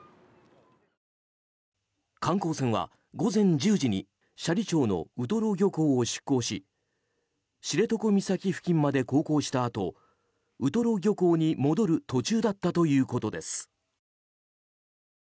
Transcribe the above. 観光船は午前１０時に斜里町のウトロ漁港を出港し知床岬付近まで航行したあとウトロ漁港に戻る途中だったということです。